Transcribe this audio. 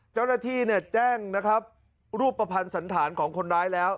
เจ้าหน้าที่แจ้งรูปประพันธ์สันฐานของคนร้ายแล้ว